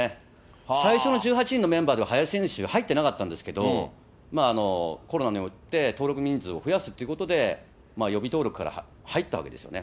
最初の１８人のメンバーでは、林選手は入ってなかったんですけど、コロナによって、登録人数を増やすということで、予備登録から入ったわけですよね。